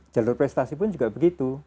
jalur prestasi pun juga begitu